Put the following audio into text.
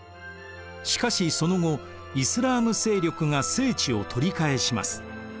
しかしその後イスラーム勢力が聖地を取り返します。